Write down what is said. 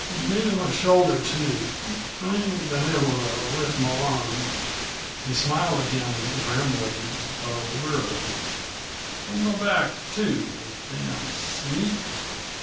Mebbe my shoulder too I ain't been able to lift my arm." He smiled again grimly, though wearily. "From the back too. The damned sneak!"